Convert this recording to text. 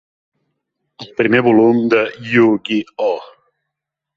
El primer volum de Yu-Gi-Oh!